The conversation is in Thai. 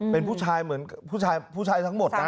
เป็นผู้ชายเหมือนผู้ชายผู้ชายทั้งหมดนะ